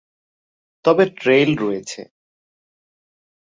তবে ট্রেইল রয়েছে।